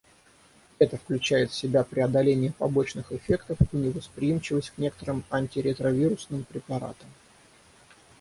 Это включает в себя преодоление побочных эффектов и невосприимчивость к некоторым антиретровирусным препаратам.